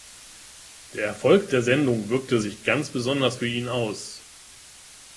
Der Erfolg der Sendung wirkte sich ganz besonders für ihn aus.